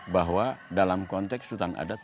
bahwa dalam konteks hutan adat